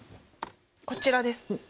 こちらです。